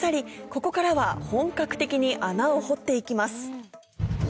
ここからは本格的に穴を掘って行きます